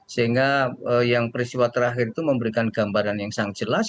sehingga yang peristiwa terakhir itu memberikan gambaran yang sangat jelas